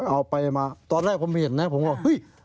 เอาไปมาตอนแรกผมเห็นนะผมว่า